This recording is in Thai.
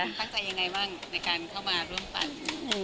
เข้าใจยังไงบ้างในการเข้ามาร่วมปั่น